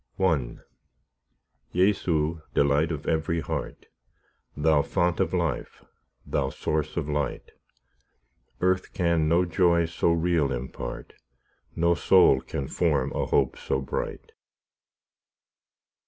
I Jesu, delight of every heart, Thou font of life, Thou source of light, Earth can no joy so real impart, No soul can form a hope so bright.